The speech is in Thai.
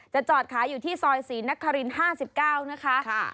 จอดขายอยู่ที่ซอยศรีนคริน๕๙นะคะ